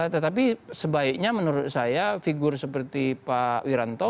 tetapi sebaiknya menurut saya figur seperti pak wiranto